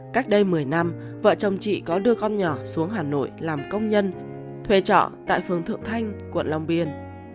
cách đây một mươi năm vợ chồng chị có đưa con nhỏ xuống hà nội làm công nhân thuê trọ tại phường thượng thanh quận long biên